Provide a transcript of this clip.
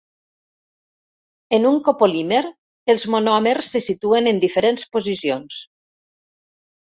En un copolímer els monòmers se situen en diferents posicions.